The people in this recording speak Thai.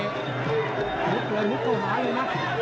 ลุกเลยลุกตัวหมาเลยนะ